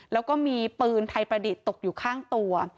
แล้วก็มีปืนไทยประดิษฐ์ตกอยู่ข้างตัว